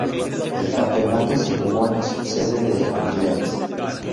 El campeonato se jugó en la subsede de Orleans.